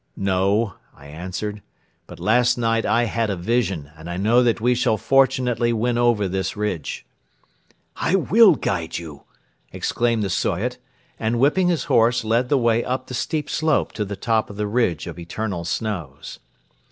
"No," I answered, "but last night I had a vision and I know that we shall fortunately win over this ridge." "I will guide you!" exclaimed the Soyot, and, whipping his horse, led the way up the steep slope to the top of the ridge of eternal snows.